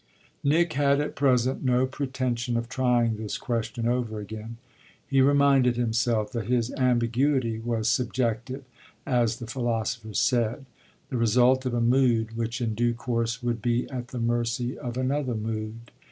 Nick had at present no pretension of trying this question over again: he reminded himself that his ambiguity was subjective, as the philosophers said; the result of a mood which in due course would be at the mercy of another mood.